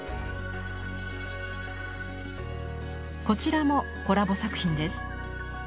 こちらもコラボ作品です。